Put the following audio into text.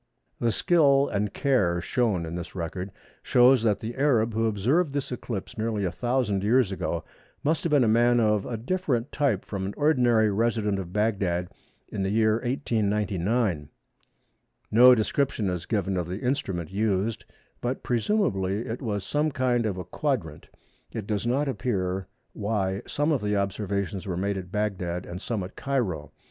The skill and care shown in this record shows that the Arab who observed this eclipse nearly a thousand years ago must have been a man of a different type from an ordinary resident at Bagdad in the year 1899. No description is given of the instrument used, but presumably it was some kind of a quadrant. It does not appear why some of the observations were made at Bagdad and some at Cairo.